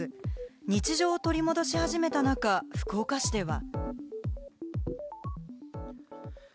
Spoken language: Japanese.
日常を取り戻し始めた中、福岡市では。